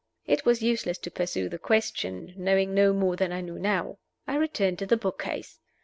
It was useless to pursue the question, knowing no more than I knew now. I returned to the book case.